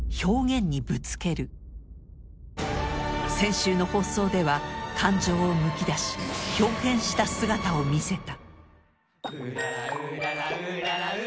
先週の放送では感情をむき出し豹変した姿を見せた